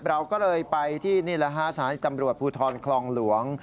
เราก็เลยไปที่นี่แหละฮะสถานีตำรวจภูทรคลองหลวง